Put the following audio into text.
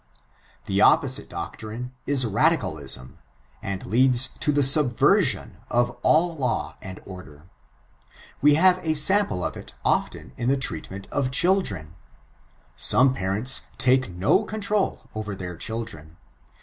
The opposite doctrine is radicalism, and leads to the subversion of all order and law. We have a sample of it oflen in the treatment of children. Some parents take no control over their children.